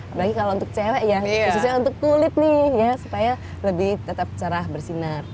apalagi kalau untuk cewek ya khususnya untuk kulit nih ya supaya lebih tetap cerah bersinar